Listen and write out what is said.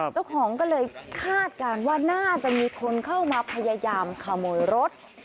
เจ้าของก็เลยคาดการณ์ว่าน่าจะมีคนเข้ามาพยายามขโมยรถ